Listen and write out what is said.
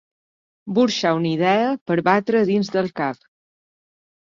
Burxar una idea per batre a dins del cap.